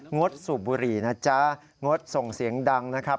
ดสูบบุหรี่นะจ๊ะงดส่งเสียงดังนะครับ